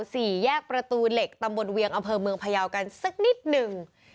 สี่แยกประตูเหล็กตำบลเวียงอำเภอเมืองพยาวกันสักนิดหนึ่ง